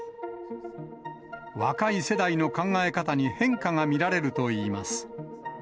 若い世代の考え方に変化が見られるといいます。